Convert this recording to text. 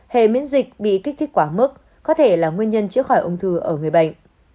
hệ miễn dịch bị kích thích quá mức có thể là nguyên nhân chữa khỏi ung thư ở người bệnh